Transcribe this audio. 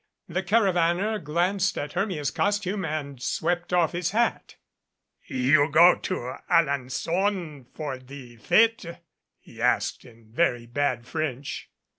The caravaner glanced at Hermia's costume and swept off his hat. "You go to Alencon for the fete?" he asked in very bad French.